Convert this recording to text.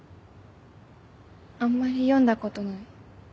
あんまり読んだ事ない。